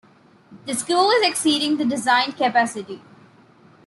The school is exceeding the designed capacity.